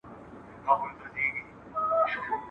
د ښار خلک که زاړه وه که ځوانان وه ..